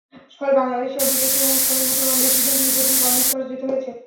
ফলে বাংলাদেশিসহ বিদেশি এবং স্থানীয় মুসলমান বেশিরভাগকে ঈদের দিন কর্মস্থলে যেতে হয়েছে।